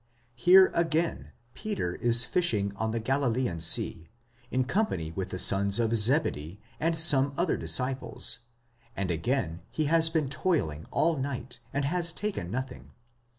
Here again Peter is fishing on the Galilean sea, in company with the sons of Zebedee and some other disciples, and again he has been toiling all night, and has taken nothing.